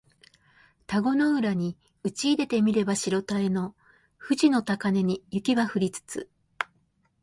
田子の浦にうちいでて見れば白たへの富士の高嶺に雪は降りつつ